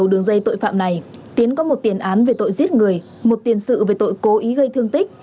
đường dây tội phạm này tiến có một tiền án về tội giết người một tiền sự về tội cố ý gây thương tích